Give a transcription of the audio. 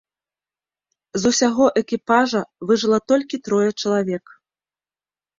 З усяго экіпажа выжыла толькі трое чалавек.